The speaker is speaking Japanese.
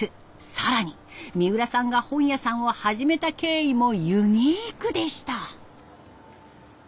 更に三浦さんが本屋さんを始めた経緯もユニークでした。